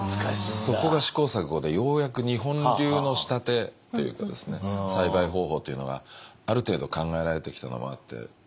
そこが試行錯誤でようやく日本流の仕立てというか栽培方法というのがある程度考えられてきたのもあって。